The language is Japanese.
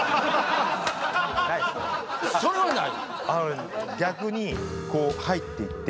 それはない？